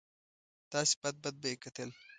داسې بد بد به یې کتل.